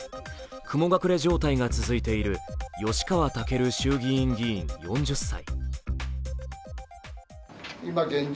雲隠れ状態が続いている吉川赳衆議院議員４０歳。